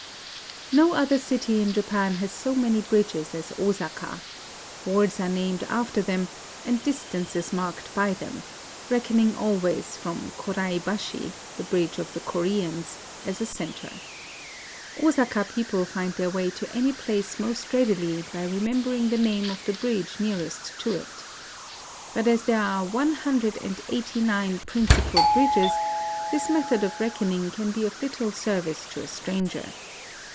No other city in Japan has so many bridges as Osaka : wards are named after them, and distances marked by them, — reckoning al ways from Koraibashi, the Bridge of the Ko reans, as a centre. Osaka people find their way to any place most readily by remember ing the name of the bridge nearest to it. But as there are one hundred and eighty nine principal bridges, this method of reck oning can be of little service to a stranger.